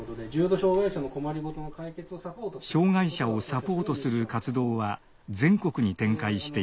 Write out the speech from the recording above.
障害者をサポートする活動は全国に展開しています。